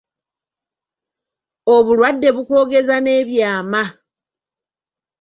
Obulwadde bukwogeza n’ebyama.